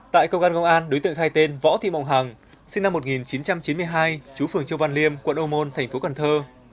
tại cơ quan công an đối tượng khai tên võ thị mộng hằng sinh năm một nghìn chín trăm chín mươi hai chú phường châu văn liêm quận ô môn thành phố cần thơ